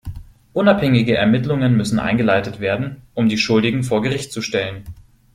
Unabhängige Ermittlungen müssen eingeleitet werden, um die Schuldigen vor Gericht zu stellen.